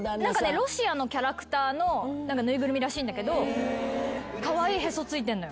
ロシアのキャラクターの縫いぐるみらしいんだけどカワイイへそついてんのよ。